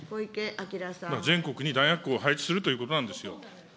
だから全国に弾薬庫を配置するということなんですよ。